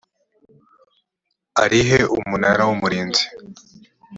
ari he umunara w umurinzi